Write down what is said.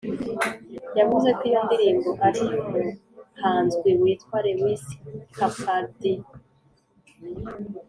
yavuze ko iyo ndirimbo ari uyu muhanzwi witwa Lewis Capaldi